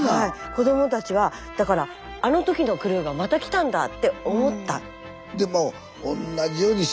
子どもたちはだからあの時のクルーがまた来たんだって思った。